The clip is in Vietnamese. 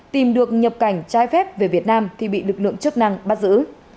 tìm được nhập cảnh trái phép về việt nam thì bị lực lượng chức năng bắt giữ